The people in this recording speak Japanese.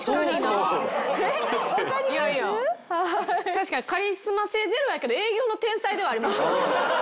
確かにカリスマ性ゼロやけど営業の天才ではありますよね。